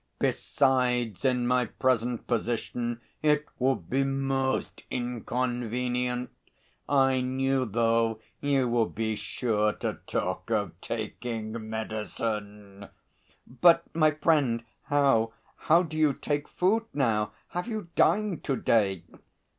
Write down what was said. "Besides, in my present position it would be most inconvenient. I knew, though, you would be sure to talk of taking medicine." "But, my friend, how ... how do you take food now? Have you dined to day?"